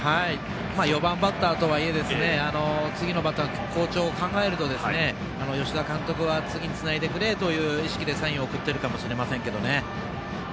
４番バッターとはいえ次のバッターの好調を考えると吉田監督は次につないでくれという意識でサインを送ってるかもしれませんけどね。